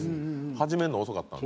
始めるの遅かったんで。